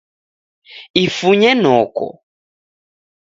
Ifunye noko